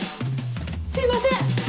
すいません！